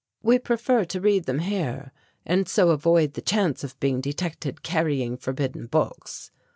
We prefer to read them here, and so avoid the chance of being detected carrying forbidden books.